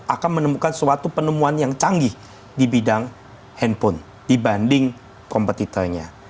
akan menemukan suatu penemuan yang canggih di bidang handphone dibanding kompetitornya